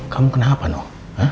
kamu kenapa noh